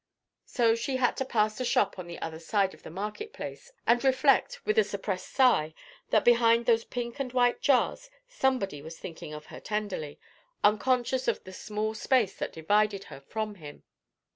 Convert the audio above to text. So she had to pass the shop on the other side of the market place, and reflect, with a suppressed sigh, that behind those pink and white jars somebody was thinking of her tenderly, unconscious of the small space that divided her from him.